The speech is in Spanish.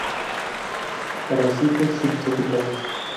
Arrecifes subtropicales.